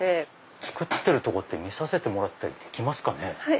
作ってるとこって見させてもらったりできますか？